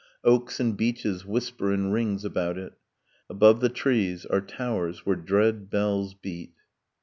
Oaks and beeches whisper in rings about it. Above the trees are towers where dread bells beat.